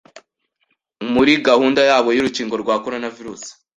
muri gahunda yabo y'urukingo rwa Coronavirus